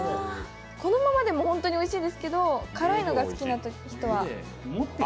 このままでも本当においしいですけど、辛いのが好きな人は。